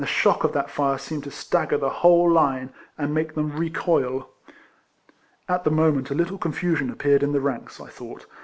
33 shock of that fire seemed to stagger the whole line, and make them recoil. At the moment, a little confusion appeared in the ranks, I thought.